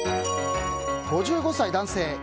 ５５歳男性。